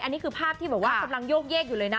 อันนี้คือภาพที่บอกว่ากำลังโยกเยกอยู่เลยนะ